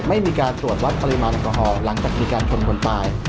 ไม่มีการตรวจวัดปริมาณแอลกอฮอลหลังจากมีการชนคนตาย